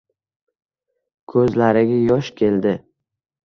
Ko`zlariga yosh keldi